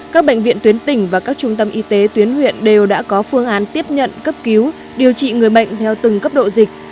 các bệnh viện tuyến tỉnh và các trung tâm y tế tuyến huyện đều đã có phương án tiếp nhận cấp cứu điều trị người bệnh theo từng cấp độ dịch